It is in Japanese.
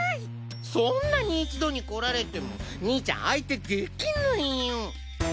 そんなに一度に来られても兄ちゃん相手できないよ。